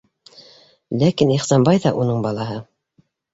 Ләкин Ихсанбай ҙа уның балаһы.